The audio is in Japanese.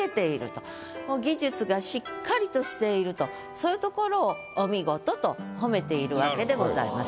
そういうところをお見事と褒めているわけでございます。